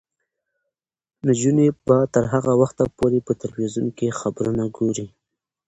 نجونې به تر هغه وخته پورې په تلویزیون کې خبرونه ګوري.